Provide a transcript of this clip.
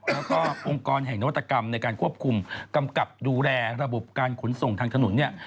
แล้วก็องค์กรแห่งนวัตกรรมในการควบคุมกำกับดูแลระบบการขนส่งทางถนนเนี่ย